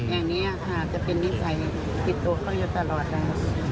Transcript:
อย่างนี้ค่ะจะเป็นนิสัยติดตัวเขาอยู่ตลอดนะครับ